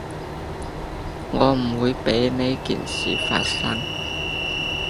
我唔會畀依件事發生